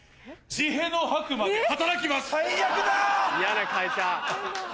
血ヘド吐くまで働きます！